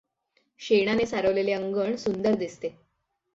शेणाने सारवलेले अंगण सुंदर दिसते.